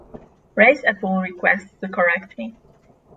Raise a pull request to correct me